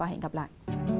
hẹn gặp lại